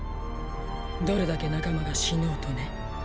どれだけ仲間が死のうとね。